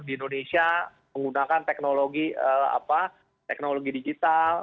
yang kemudian menjamuk di indonesia menggunakan teknologi digital